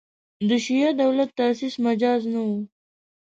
د شیعه دولت تاسیس مجاز نه وو.